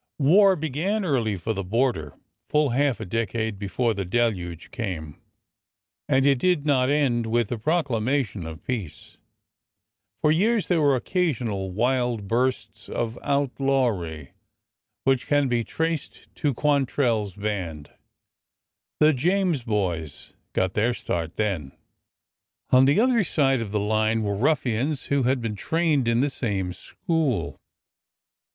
War began early for the border,— full half a decade be fore the deluge came, — and it did not end with the procla mation of peace. For years there were occasional wild bursts of outlawry that could be traced to Quantrell's band. The James boys got their start then. On the other side of the line were ruffians who had been trained in the same school.